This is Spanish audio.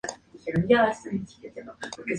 Sam podría ir, pero lo tienen "marcado".